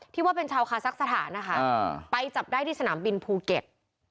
ว่าเป็นชาวคาซักสถานนะคะไปจับได้ที่สนามบินภูเก็ต